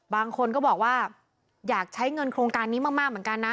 บางคนก็บอกว่าอยากใช้เงินโครงการนี้มากเหมือนกันนะ